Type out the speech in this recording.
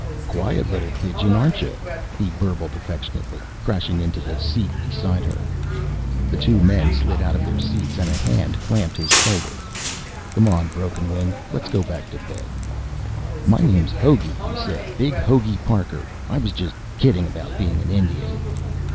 "Quiet li'l pigeon, aren'tcha?" he burbled affectionately, crashing into the seat beside her. The two men slid out of their seats, and a hand clamped his shoulder. "Come on, Broken Wing, let's go back to bed." "My name's Hogey," he said. "Big Hogey Parker. I was just kidding about being a Indian."